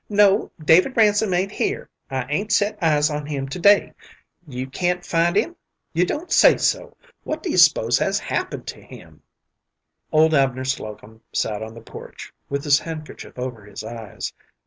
"No, David Ransom ain't here. I 'ain't set eyes on him to day. You can't find him? You don't say so! What do you s'pose has happened to him?" Old Abner Slocum sat on the porch, with his handkerchief over is eyes.